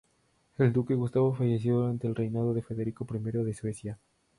El Duque Gustavo falleció durante el reinado de Federico I de Suecia.